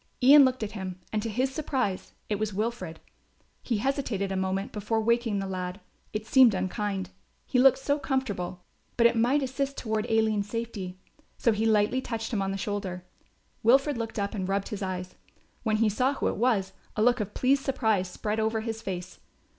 Ian looked at him and to his surprise it was Wilfred. He hesitated a moment before waking the lad; it seemed unkind, he looked so comfortable; but it might assist toward Aline's safety. So he lightly touched him on the shoulder. Wilfred looked up and rubbed his eyes. When he saw who it was a look of pleased surprise spread over his face.